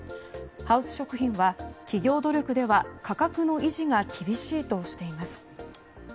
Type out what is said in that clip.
ハウス食品は企業努力では価格の維持が厳しいとしています。